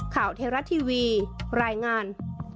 ข่าวเทราะห์ทีวีรายงาน